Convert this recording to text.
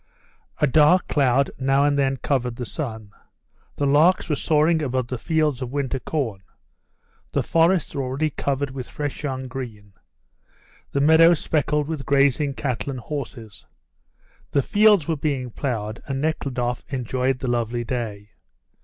A dark cloud now and then covered the sun; the larks were soaring above the fields of winter corn; the forests were already covered with fresh young green; the meadows speckled with grazing cattle and horses. The fields were being ploughed, and Nekhludoff enjoyed the lovely day.